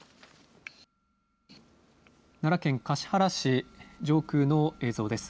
奈良県橿原市上空の映像です。